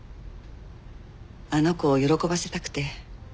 あの子を喜ばせたくて。